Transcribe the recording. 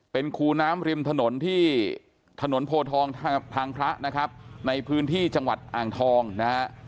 เป็นคูน้ำริมถนนที่ถนนโพทองทางพระนะครับในพื้นที่จังหวัดอ่างทองนะฮะ